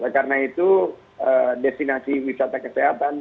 karena itu destinasi wisata kesehatan